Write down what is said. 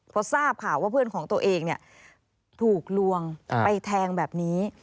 พอทราบข่าวว่าเพื่อนของตัวเองถูกลวงไปแทงแบบนี้